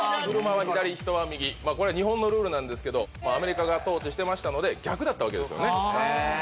これは日本のルールですけどアメリカが統治してたので逆だったわけですよね。